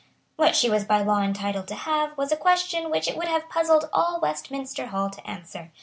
What she was by law entitled to have was a question which it would have puzzled all Westminster Hall to answer.